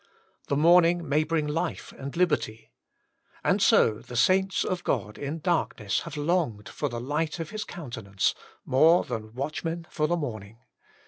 The morning may bring life and liberty. And so the saints of God in darkness have longed for the light of His countenance, more than watchmen for the morning.